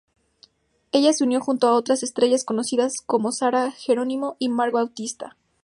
Ella se unió junto a otras estrellas conocidas como Sarah Geronimo y Mark Bautista.